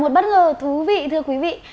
một bất ngờ thú vị thưa quý vị